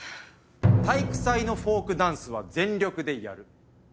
「体育祭のフォークダンスは全力でやる」